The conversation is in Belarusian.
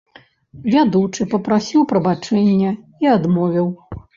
Вядучы папрасіў прабачэння і адмовіў.